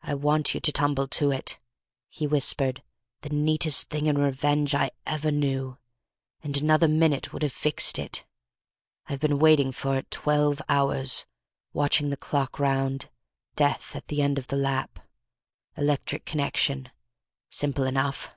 "I want you to tumble to it," he whispered; "the neatest thing in revenge I ever knew, and another minute would have fixed it. I've been waiting for it twelve hours, watching the clock round, death at the end of the lap! Electric connection. Simple enough.